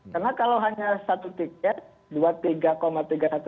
karena kalau hanya satu tiket